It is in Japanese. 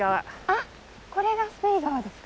あっこれがスペイ川ですか？